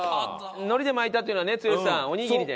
海苔で巻いたっていうのはね剛さんおにぎりでね。